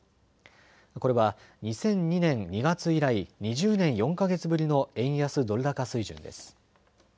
これは２００２年２月以来、２０年４か月ぶりの円安ドル高水準です。